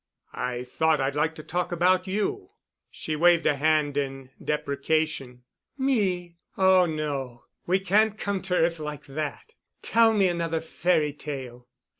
"I thought I'd like to talk about you." She waved a hand in deprecation. "Me? Oh, no. We can't come to earth like that. Tell me another fairy tale."